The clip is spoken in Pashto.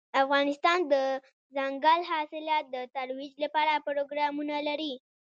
افغانستان د دځنګل حاصلات د ترویج لپاره پروګرامونه لري.